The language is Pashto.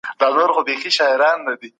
سبزي هم ښه دي.